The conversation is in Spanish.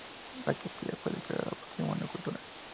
La capilla fue declarada Patrimonio Cultural.